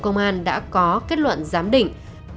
bộ công an đã có kết luận giám đỉnh